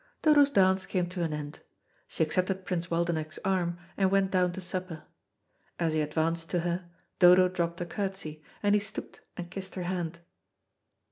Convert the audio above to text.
Dodo's dance came to an end. She accepted Prince Waldenech's arm, and went down to supper. As he advanced to her, Dodo dropped a curtsey, and he stooped and kissed her hand.